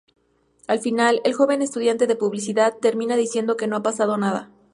Al final, el joven estudiante de publicidad, termina diciendo que no ha pasado nada.